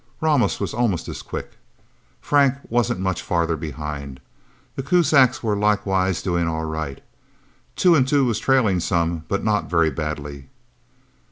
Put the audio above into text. Ramos was almost as quick. Frank wasn't much farther behind. The Kuzaks were likewise doing all right. Two and Two was trailing some, but not very badly.